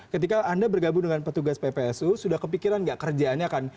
ketika anda bergabung dengan petugas ppsu sudah kepikiran nggak kerjaannya akan